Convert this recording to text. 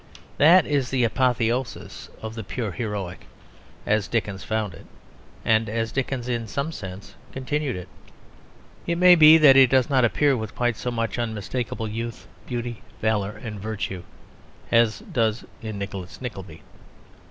That is the apotheosis of the pure heroic as Dickens found it, and as Dickens in some sense continued it. It may be that it does not appear with quite so much unmistakable youth, beauty, valour, and virtue as it does in Nicholas Nickleby.